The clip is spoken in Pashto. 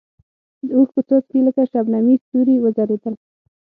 د اوښکو څاڅکي یې لکه شبنمي ستوري وځلېدل.